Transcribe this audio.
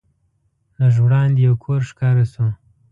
لږ وړاندې یو کور ښکاره شو.